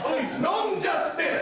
飲んじゃって！